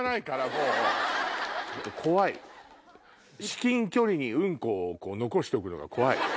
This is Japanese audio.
至近距離にうんこを残しておくのが怖い。